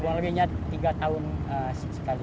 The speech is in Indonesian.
kurang lebihnya tiga tahun sekali